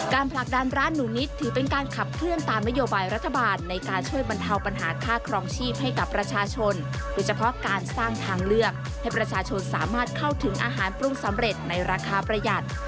ผลักดันร้านหนูนิดถือเป็นการขับเคลื่อนตามนโยบายรัฐบาลในการช่วยบรรเทาปัญหาค่าครองชีพให้กับประชาชนโดยเฉพาะการสร้างทางเลือกให้ประชาชนสามารถเข้าถึงอาหารปรุงสำเร็จในราคาประหยัด